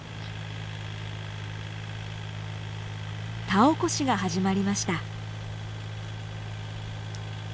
田起こしが始まりました。